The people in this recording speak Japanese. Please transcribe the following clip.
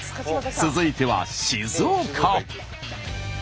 続いては静岡。